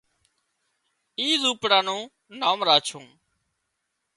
اي زونپڙا نُون نام راڇُون